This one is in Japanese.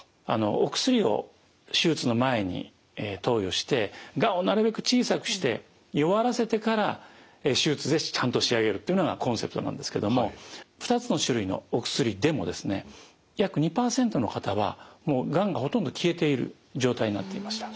お薬を手術の前に投与してがんをなるべく小さくして弱らせてから手術でちゃんと仕上げるというのがコンセプトなんですけども２つの種類のお薬でもですね約２％の方はがんがほとんど消えている状態になっていました。